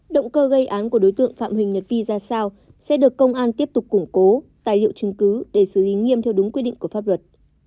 động cơ gây án của đối tượng phạm huỳnh nhật vi ra sao sẽ được công an tiếp tục củng cố tài liệu chứng cứ để xử lý nghiêm theo đúng quy định của pháp luật